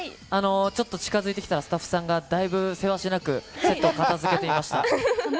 ちょっと近づいてきたらスタッフさんが、だいぶせわしなくセットを片づけていました。